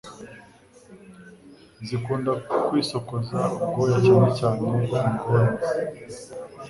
zikunda kwisokoza ubwoya cyanecyane ingore,